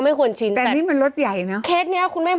มันมีตัวรถตู้เลย